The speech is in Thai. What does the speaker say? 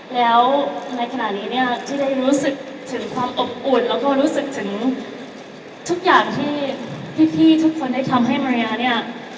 แล้วในขณะนี้เนี่ยที่ได้รู้สึกถึงความอบอุ่นแล้วก็รู้สึกถึงทุกอย่างที่พี่ทุกคนได้ทำให้มาริยาเนี่ย